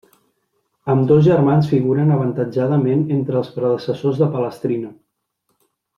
Ambdós germans figuren avantatjada ment entre els predecessors de Palestrina.